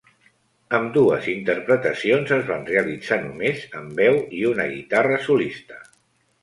Ambdues interpretacions es van realitzar només amb veu i una guitarra solista.